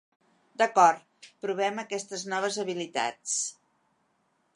D'acord, provem aquestes noves habilitats!